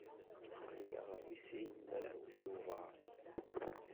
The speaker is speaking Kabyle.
Aql-aɣ deg sin mraw Tubeṛ.